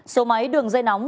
số máy đường dây nóng